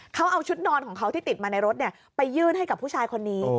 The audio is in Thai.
เขาเอาชุดนอนของเขาที่ติดมาในรถไปยื่นให้กับผู้ชายคนนี้